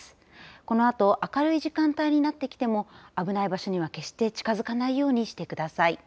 このあと明るい時間帯になってきても危ない場所には決して近づかないようにしてください。